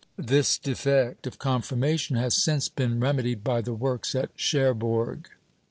This defect of conformation has since been remedied by the works at Cherbourg.